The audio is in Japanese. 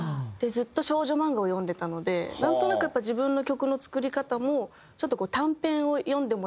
ずっと少女漫画を読んでたのでなんとなく自分の曲の作り方もちょっとこう短編を読んでもらってるような。あーっ！